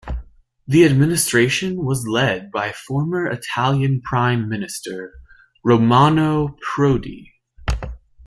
The administration was led by former Italian Prime Minister Romano Prodi.